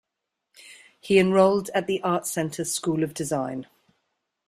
He enrolled at the Art Center School of Design.